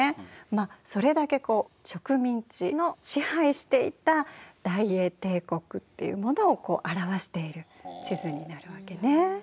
まっそれだけこう植民地の支配していた大英帝国っていうものを表している地図になるわけね。